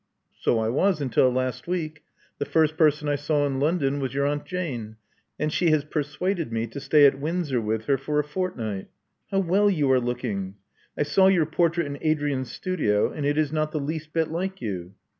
So I was, until last week. The first person I saw in London was your Aunt Jane ; and she has persuaded me to stay at Windsor with her for a fortnight. How well you are looking! I saw your portrait in Adrian's studio; and it is not the least bit like you."